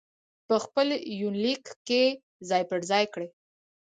په خپل يونليک کې ځاى په ځاى کړي